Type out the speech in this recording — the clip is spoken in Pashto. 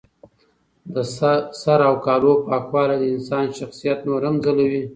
د سر او کالو پاکوالی د انسان شخصیت نور هم ځلوي.